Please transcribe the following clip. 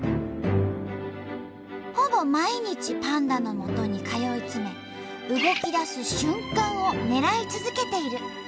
ほぼ毎日パンダのもとに通い詰め動きだす瞬間を狙い続けている。